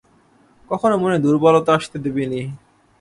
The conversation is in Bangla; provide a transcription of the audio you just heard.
কখনও মনে দুর্বলতা আসতে দিবিনি।